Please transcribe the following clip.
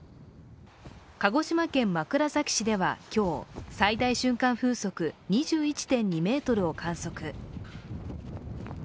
鹿児島県枕崎市では今日、最大瞬間風速２１．２メートルを観測。